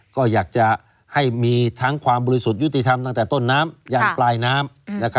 ก็อยากจะให้มีทั้งความบริสุทธิ์ยุติธรรมตั้งแต่ต้นน้ำยันปลายน้ำ